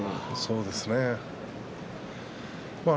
そうですね。